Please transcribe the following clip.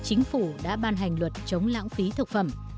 ở nhiều quốc gia châu âu chính phủ đã ban hành luật chống lãng phí thực phẩm